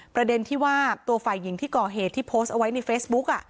ประเด็นที่ว่าตัวฝ่ายหญิงที่ก่อเหตุที่โพสต์เอาไว้ในเฟซบุ๊ก